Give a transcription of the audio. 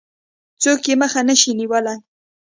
څوک يې مخه نه شي نيولای.